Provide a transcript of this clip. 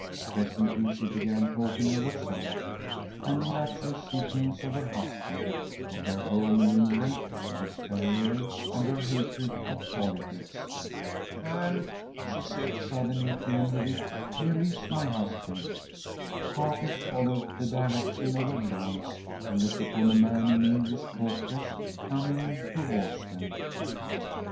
Presently she began talking of herself, and in natural sequence of her husband, of their home in England, of his career, and her hatred of politics. ‚ÄúAnd,‚ÄĚ she said suddenly, at the end of it, “here IS my husband.‚ÄĚ Harkness followed the direction of her glance, and looked upon a man in English Court dress coming towards them.